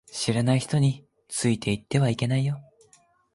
知らない人についていってはいけないよ